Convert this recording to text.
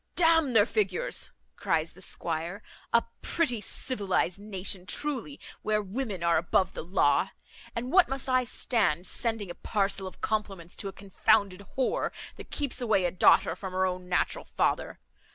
"D n their figures," cries the squire; "a pretty civilised nation, truly, where women are above the law. And what must I stand sending a parcel of compliments to a confounded whore, that keeps away a daughter from her own natural father?